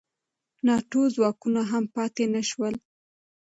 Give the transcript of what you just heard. ناټو ځواکونه هم پاتې نه شول.